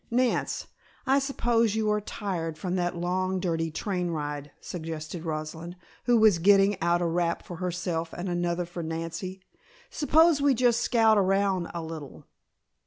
"Nance, I suppose you are tired from that long, dirty train ride," suggested Rosalind, who was getting out a wrap for herself and another for Nancy. "Suppose we just scout around a little?"